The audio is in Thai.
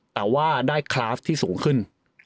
แต่ว่าได้คลาฟที่สูงขึ้น